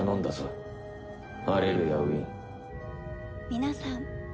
皆さん